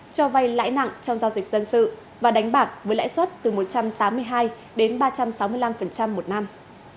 cho vay lãi nặng trong giao dịch dân sự và đánh bạc với lãi suất từ một trăm tám mươi hai đến ba trăm sáu mươi năm một năm